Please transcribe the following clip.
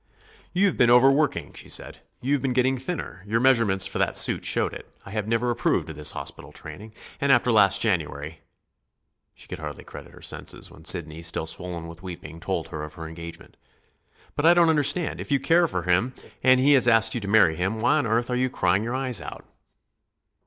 "You've been overworking," she said. "You've been getting thinner. Your measurements for that suit showed it. I have never approved of this hospital training, and after last January " She could hardly credit her senses when Sidney, still swollen with weeping, told her of her engagement. "But I don't understand. If you care for him and he has asked you to marry him, why on earth are you crying your eyes out?"